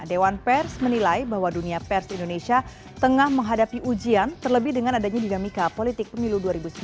dewan pers menilai bahwa dunia pers indonesia tengah menghadapi ujian terlebih dengan adanya dinamika politik pemilu dua ribu sembilan belas